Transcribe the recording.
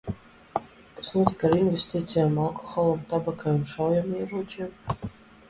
Kas notika ar investīcijām alkoholam, tabakai un šaujamieročiem?